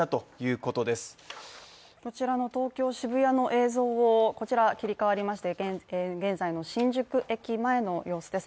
こちらの東京・渋谷の映像から切り替わりまして現在の新宿駅前の様子です。